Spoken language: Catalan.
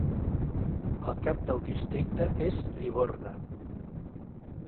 El cap del districte és Liborna.